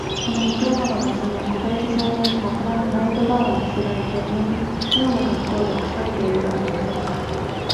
その枕もとのイスには、小林少年がおとなのナイト・ガウンを着せられて、みょうなかっこうで、こしかけているではありませんか。